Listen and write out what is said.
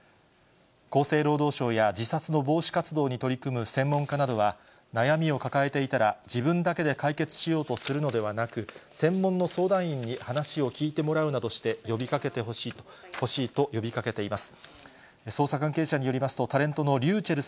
厚生労働省や自殺の防止活動に取り組む専門家などは、悩みを抱えていたら、自分だけで解決しようとするのではなく、専門の相談員に話を聞いてもらうなどしてほしいと、呼びかけてほしいと、呼びかけています。